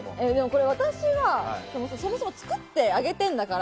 そもそも作ってあげてるんだから。